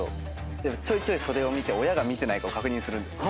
ちょいちょい袖を見て親が見てないかを確認するんですよ。